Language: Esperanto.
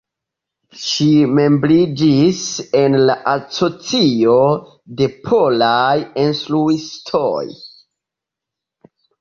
Ŝi membriĝis en la Asocio de Polaj Instruistoj.